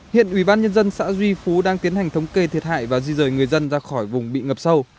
hiện ủy ban nhân dân xã duy phú đang tiến hành thống kê thiệt hại và di rời người dân ra khỏi vùng bị ngập sâu